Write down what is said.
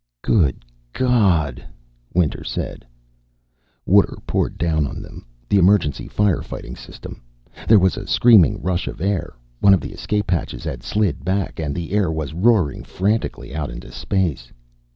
"Good God!" Winter said. Water poured down on them, the emergency fire fighting system. There was a screaming rush of air. One of the escape hatches had slid back, and the air was roaring frantically out into space.